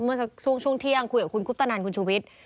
เมื่อสักช่วงเที่ยงคุยกับคุณคุปตนันคุณชุวิต